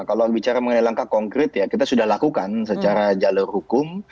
kalau bicara mengenai langkah konkret ya kita sudah lakukan secara jalur hukum